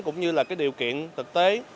cũng như điều kiện thực tế